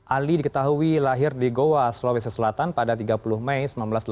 ali diketahui lahir di goa sulawesi selatan pada tiga puluh mei seribu sembilan ratus delapan puluh